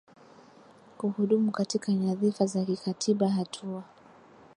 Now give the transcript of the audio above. kuhudumu katika nyadhifa za kikatiba hatua